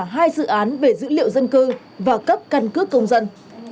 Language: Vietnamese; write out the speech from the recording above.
hai dự án về dữ liệu dân cư và cấp căn cước công dân